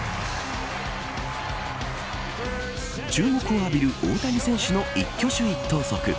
注目を浴びる大谷選手の一挙手一投足。